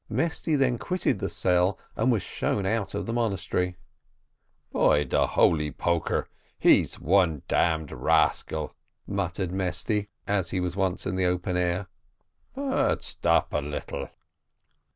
Mesty then quitted the cell and was shown out of the monastery. "By de holy poker he one damn rascal!" muttered Mesty, as he was once in the open air. "But stop a little."